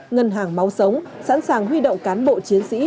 ngân hàng máu sống sẵn sàng huy động cán bộ chiến sĩ